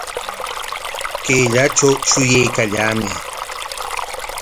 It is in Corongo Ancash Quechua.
Kayllatraw shuyaykallaamay